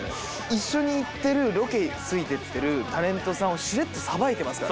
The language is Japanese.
一緒に行ってるロケついてってるタレントさんをしれっとさばいてますからね。